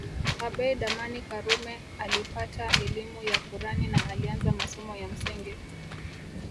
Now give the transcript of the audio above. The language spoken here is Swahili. Abeid Amani Karume alipata elimu ya Kurani na alianza masomo ya msingi